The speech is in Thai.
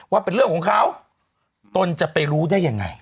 เป็นเรื่องของเขาตนจะไปรู้ได้ยังไง